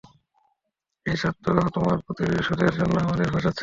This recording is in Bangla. এই সাত্তু তোমার প্রতিশোধের জন্য, আমাদের ফাসাচ্ছে।